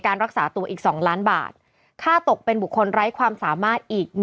รักษาตัวอีก๒ล้านบาทค่าตกเป็นบุคคลไร้ความสามารถอีก